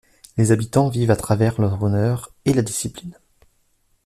Les habitants vivent à travers leur honneur et la discipline.